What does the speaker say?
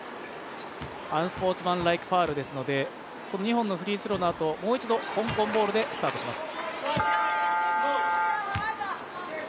アンスポーツマンライクファウルですので、２本のフリースローのあともう一度、香港ボールでスタートします。